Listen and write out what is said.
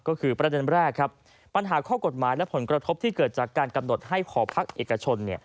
ก็คือประเด็นแรกครับปัญหาข้อกฎหมายและผลกระทบที่เกิดจากการกำหนดให้หอพักเอกชน